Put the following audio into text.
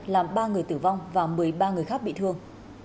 làm ba người tử vong và một mươi ba người khác bị thương